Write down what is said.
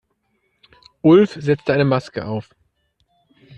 Ulf setzte eine Maske auf.